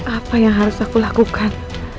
apa yang harus aku lakukan